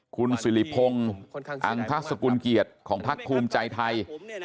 คุณสิริพงศ์อังทสกุลเกียรติของพักภูมิใจไทย